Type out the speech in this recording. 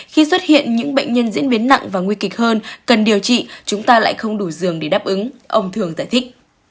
khi xuất hiện những bệnh nhân diễn biến nặng và nguy kịch hơn cần điều trị chúng ta lại không đủ giường để đáp ứng ông thường giải thích